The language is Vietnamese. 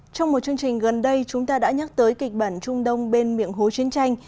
trong một chương trình gần đây chúng ta đã nhắc tới kịch bản trung đông bên miệng hố chiến tranh